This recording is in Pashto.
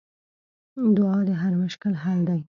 دعا د هر مشکل حل دی.